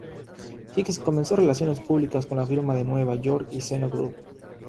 Hicks comenzó relaciones públicas con la firma de Nueva York, Zeno Group.